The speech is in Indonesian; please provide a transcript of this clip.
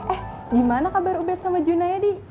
eh gimana kabar ubet sama juna ya di